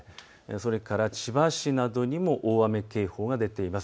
それから千葉市などにも大雨警報が出ています。